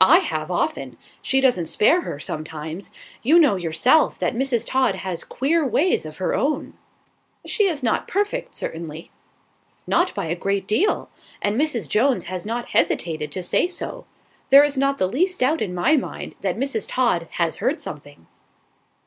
"I have, often; she doesn't spare her, sometimes. You know, yourself, that Mrs. Todd has queer ways of her own." "She is not perfect, certainly." "Not by a great deal; and Mrs. Jones has not hesitated to say so. There is not the least doubt in my mind, that Mrs. Todd has heard something."